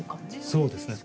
そうですね。